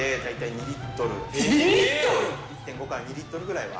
２リットル？１．５から２リットルぐらいは。